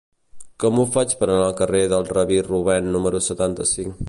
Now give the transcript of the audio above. Com ho faig per anar al carrer del Rabí Rubèn número setanta-cinc?